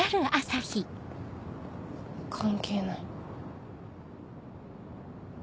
関係ない。